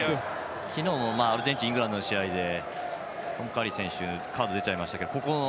昨日もアルゼンチンとイングランドの試合でカード出ちゃいましたけど。